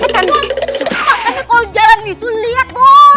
makanya kalo jalan nih tuh liat bos